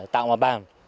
tạo mà bàn